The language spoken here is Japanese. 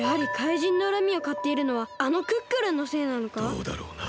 どうだろうな？